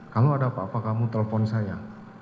kalau ada apa apa kamu telpon saya